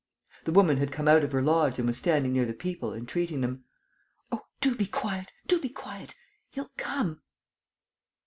The woman had come out of her lodge and was standing near the people, entreating them: "Oh, do be quiet, do be quiet! He'll come!"